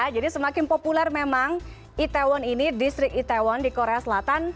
jadi semakin populer memang itaewon ini distrik itaewon di korea selatan